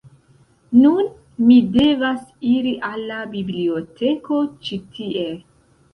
Nun, mi devas iri al la biblioteko ĉi tie